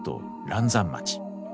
嵐山町。